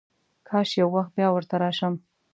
کاش یو وخت بیا ورته راشم.